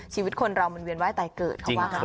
ชีวิตคนเรามันเวียนไหว้ใต้เกิด